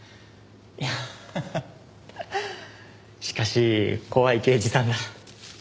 しかし怖い刑事さんだ。